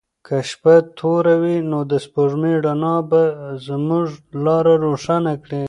که شپه توره وي نو د سپوږمۍ رڼا به زموږ لاره روښانه کړي.